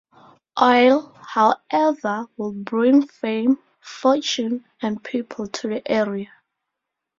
Oil, however, would bring fame, fortune and people to the area.